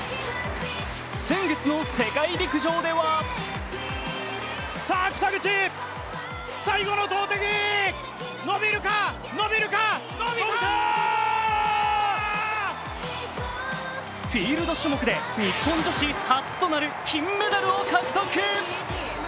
先月の世界陸上ではフィールド種目で日本女子初となる金メダルを獲得。